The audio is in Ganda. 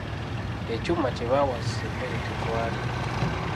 Ekyuma kye bawaasisa emmere gye twalya.